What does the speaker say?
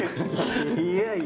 いやいや！